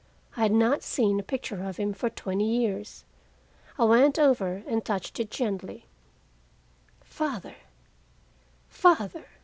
I had not seen a picture of him for twenty years. I went over and touched it gently. "Father, father!"